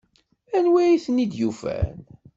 Anwi ay ten-id-yufan?